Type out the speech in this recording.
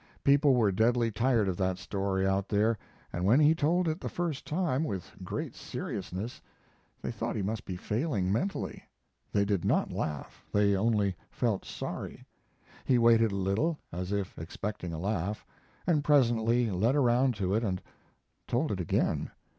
People were deadly tired of that story out there, and when he told it the first time, with great seriousness, they thought he must be failing mentally. They did not laugh they only felt sorry. He waited a little, as if expecting a laugh, and presently led around to it and told it again.